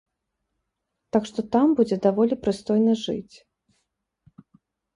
Так што там будзе даволі прыстойна жыць.